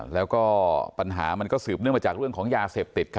แล้วก็ปัญหามันก็สืบเนื่องมาจากเรื่องของยาเสพติด